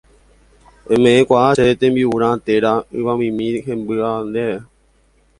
eme'ẽkuaa chéve tembi'urã térã yvamimi hembýva ndéve